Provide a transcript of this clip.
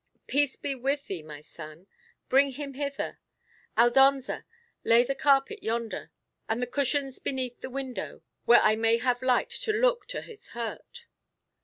Peace be with thee, my son! Bring him hither. Aldonza, lay the carpet yonder, and the cushions beneath the window, where I may have light to look to his hurt."